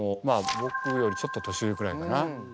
ぼくよりちょっと年上くらいかな？